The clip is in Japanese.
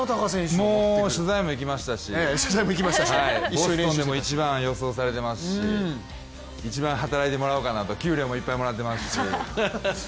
もう取材にも行きましたしボストンでも１番と予想されてますし一番働いてもらおうかなと、給料もいっぱいもらっていますし。